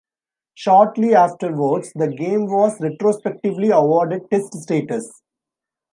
Shortly afterwards the game was retrospectively awarded test status.